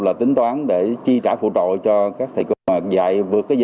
và tính toán để chi trả phụ trội cho các thầy cô dạy vượt cái giờ